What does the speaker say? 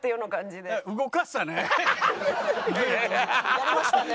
やりましたね。